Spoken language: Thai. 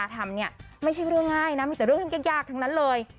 ทำเนี่ยไม่ใช่เรื่องง่ายนะมีแต่เรื่องยากทั้งนั้นเลย